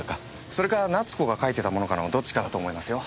それか奈津子が書いてたものかのどっちかだと思いますよ。